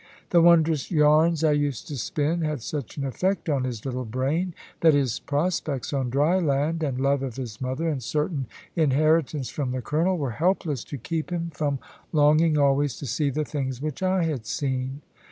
The wondrous yarns I used to spin had such an effect on his little brain, that his prospects on dry land, and love of his mother, and certain inheritance from the Colonel, were helpless to keep him from longing always to see the things which I had seen.